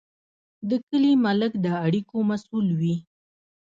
د کلي ملک د اړیکو مسوول وي.